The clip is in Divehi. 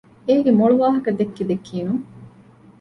އޭގެ މޮޅު ވާހަކަ ދެއްކި ދެއްކީނުން